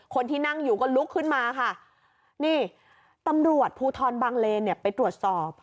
คนที่นั่งอยู่ก็ลุกขึ้นมาค่ะนี่ตำรวจภูทรบางเลนเนี่ยไปตรวจสอบ